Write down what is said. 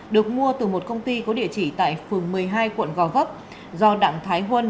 được mua từ một công ty có địa chỉ tại phường một mươi hai quận gò vấp do đảng thái huân